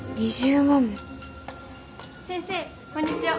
先生こんにちは。